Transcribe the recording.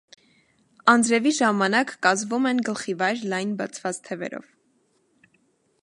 Անձրևի ժամանակ կազվոմ են գլխիվայր՝ լայն բացված թևերով։